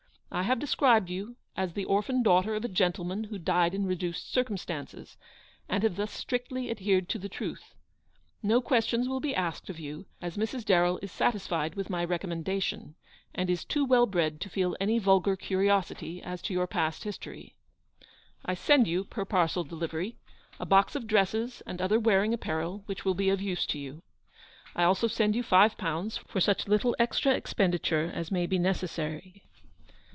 I have described you as the orphan daughter of a gentleman who died in reduced circumstances, and have thus strictly adhered to the truth. No questions will be asked of you, as Mrs. Darrell is satisfied with mv recommenda 224 tion, and is too well bred to feel any vulgar curiosity as to your past history. I send you, per parcel delivery, a box of dresses and other wearing apparel, which will be of use to you. I also send you five pounds for such little extra expenditure as may be necessary.